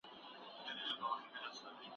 منظم معلومات او پوهاوی علم نه دی.